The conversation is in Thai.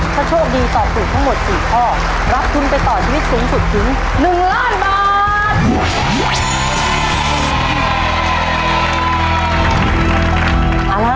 ถ้าโชคดีตอบถูกทั้งหมด๔ข้อรับทุนไปต่อชีวิตสูงสุดถึง๑ล้านบาท